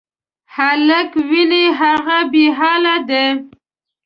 هلک وینې، هغه بېحاله دی.